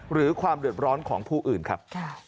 หรือความเดือดร้อนของผู้อื่นครับ